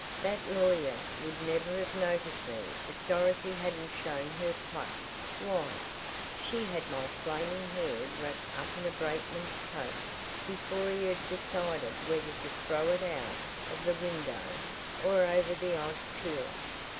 That lawyer would never have noticed me if Dorothy hadn't shown her pluck why, she had my flaming hair wrapped up in a brakeman's coat before he had decided whether to throw it out of the window or over the ice cooler.